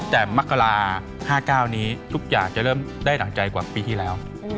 แต่มักกรา๕๙นี้ทุกอย่างจะเริ่มได้ดั่งใจกว่าปีที่แล้ว